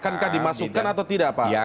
apakah dimasukkan atau tidak pak